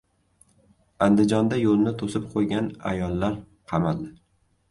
Andijonda yo‘lni to‘sib qo‘ygan ayollar qamaldi